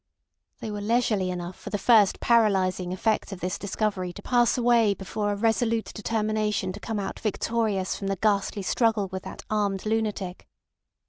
They were leisurely enough for the first paralysing effect of this discovery to pass away before a resolute determination to come out victorious from the ghastly struggle with that armed lunatic.